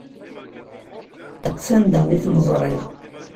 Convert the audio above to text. S anda i ten-ẓṛiɣ.